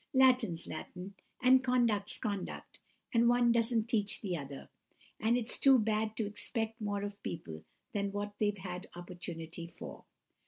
Latin's Latin, and conduct's conduct, and one doesn't teach the other; and it's too bad to expect more of people than what they've had opportunity for.